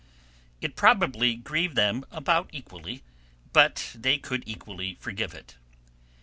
It probably grieved them about equally, but they could equally forgive it.